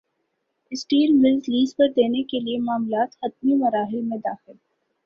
steel mills lease پر دینے کیلئے معاملات حتمی مراحل میں داخل